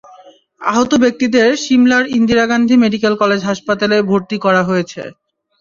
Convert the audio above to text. আহত ব্যক্তিদের সিমলার ইন্দিরা গান্ধী মেডিকেল কলেজ হাসপাতালে ভর্তি করা হয়েছে।